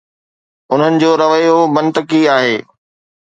انهن جو رويو منطقي آهي.